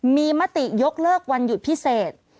มีมติยกเลิกวันหยุดพิเศษ